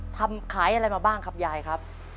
ทำขายอะไรมาบ้างครับยายครับ